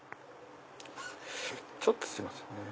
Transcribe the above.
ちょっとすいません。